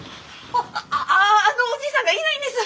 あのおじいさんがいないんです！